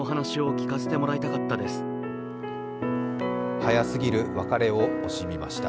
早すぎる別れを惜しみました。